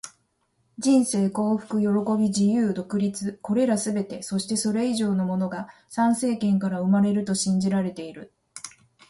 人生、幸福、喜び、自由、独立――これらすべて、そしてそれ以上のものが参政権から生まれると信じられている。